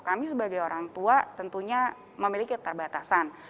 kami sebagai orang tua tentunya memiliki keterbatasan